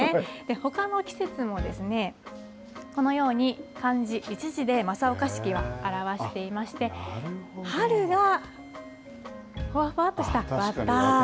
ほかの季節も、このように、漢字１字で正岡子規は表していまして、春がほわほわっとした綿。